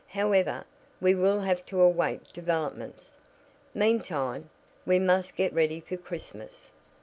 However, we will have to await developments. Meantime, we must get ready for Christmas."